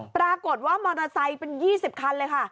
ปรากฏว่ามอเตอร์ไซค์เป็น๒๐คันเลยค่ะ